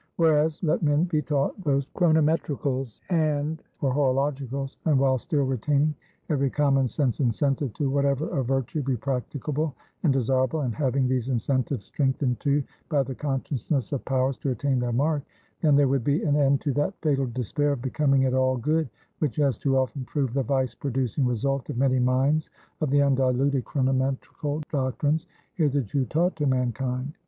Whereas, let men be taught those Chronometricals and Horologicals, and while still retaining every common sense incentive to whatever of virtue be practicable and desirable, and having these incentives strengthened, too, by the consciousness of powers to attain their mark; then there would be an end to that fatal despair of becoming at all good, which has too often proved the vice producing result in many minds of the undiluted chronometrical doctrines hitherto taught to mankind.